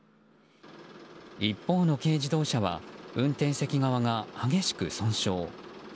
一方の軽自動車は運転席側が激しく損傷。